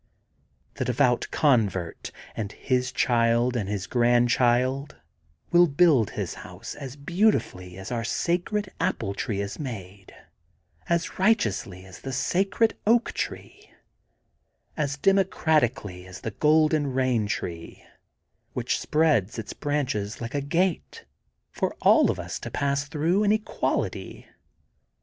The devout convert and his child and his grandchild will build his house as beautifully as our Sacred Apple Tree is made, as righteously as the Sacred Oak Tree, as democratically as the Goldep Eain Tree, which spreads its branches like a gate for THE GOLDEN BOOK OF SPRINGFIELD 187 all of us to pass through in equality.